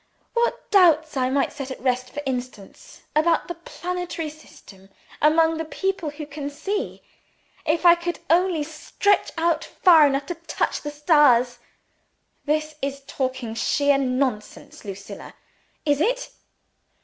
What doubts I might set at rest for instance about the planetary system, among the people who can see, if I could only stretch out far enough to touch the stars." "This is talking sheer nonsense, Lucilla!" "Is it?